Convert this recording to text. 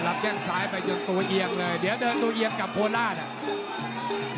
รับแย่งสายไปจนตัวเยียงเลยเดี๋ยวเดินตัวเยียงกับโฮล่าเนี่ย